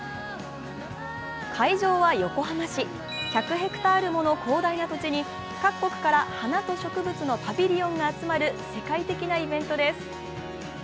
会場は横浜市、１００ｈａもの広大な土地に各国から花と植物のパビリオンが集まる世界的なイベントです。